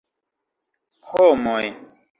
Homoj!